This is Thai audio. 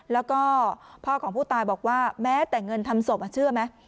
แล้วก็พ่อของผู้ตายบอกว่าแม้แต่เงินทำศพเชื่อไหม